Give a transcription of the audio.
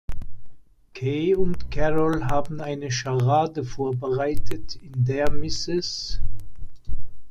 Kay und Carol haben eine Scharade vorbereitet, in der Mrs.